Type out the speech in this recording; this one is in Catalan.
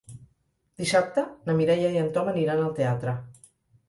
Dissabte na Mireia i en Tom aniran al teatre.